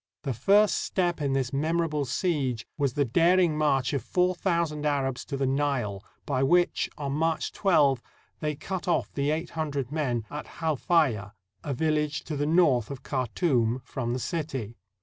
The first step in this memorable siege was the daring march of four thousand Arabs to the Nile, by which, on March 12, they cut off the eight hundred men at Halfaya, a village to the north of Khartoum, from the city.